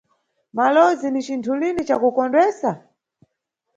Malowozi ni cinthu lini cakukondwesa?